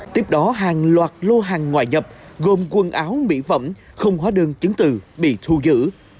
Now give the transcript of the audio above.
tiếp đó hàng loạt lô hàng ngoại nhập gồm quần áo mỹ phẩm không hóa đơn chứng từ bị thu giữ